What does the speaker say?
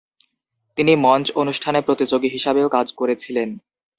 তিনি মঞ্চ অনুষ্ঠানে প্রতিযোগী হিসাবেও কাজ করেছিলেন।